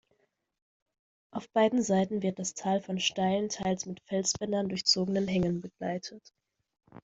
Auf beiden Seiten wird das Tal von steilen, teils mit Felsbändern durchzogenen Hängen begleitet.